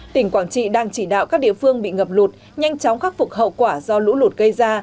tỉnh quảng trị đang chỉ đạo các địa phương bị ngập lụt nhanh chóng khắc phục hậu quả do lũ lụt gây ra